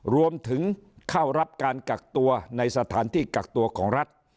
รวมถึงเข้ารับการกักตัวในสถานที่กักตัวของรัฐ